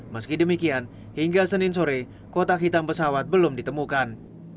meski demikian hingga senin sore kotak hitam pesawat belum ditemukan